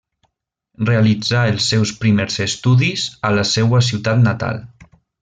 Realitzà els seus primers estudis a la seua ciutat natal.